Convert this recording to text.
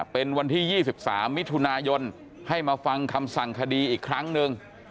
เป็นวันที่๒๓มิถุนายนให้มาฟังคำสั่งคดีอีกครั้งหนึ่ง